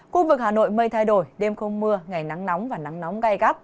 khu vực hà nội mây thay đổi đêm không mưa ngày nắng nóng và nắng nóng gai gắt